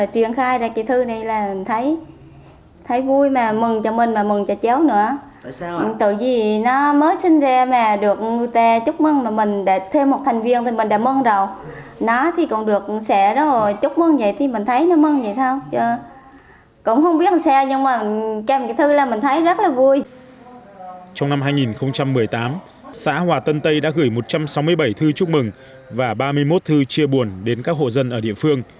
trong năm hai nghìn một mươi tám xã hòa tân tây đã gửi một trăm sáu mươi bảy thư chúc mừng và ba mươi một thư chia buồn đến các hộ dân ở địa phương